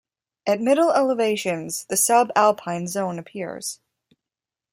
At middle elevations, the subalpine zone appears.